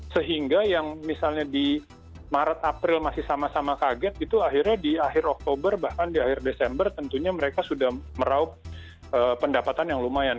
sehingga yang misalnya di maret april masih sama sama kaget itu akhirnya di akhir oktober bahkan di akhir desember tentunya mereka sudah meraup pendapatan yang lumayan